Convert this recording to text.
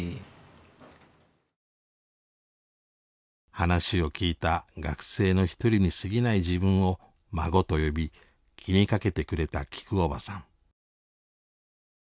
話を聞いた学生の一人にすぎない自分を孫と呼び気にかけてくれたきくおばさん。